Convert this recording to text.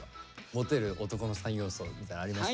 モテる男の三要素みたいなのありますか？